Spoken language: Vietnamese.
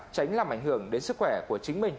tránh làm ảnh hưởng đến sức khỏe của chính mình